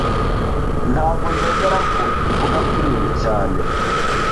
Ntago nemera ko tuvuga kuri ibi cyane